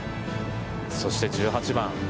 そして１８番。